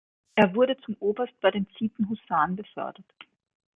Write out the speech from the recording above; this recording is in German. Er wurde zum Oberst bei den Zieten-Husaren befördert.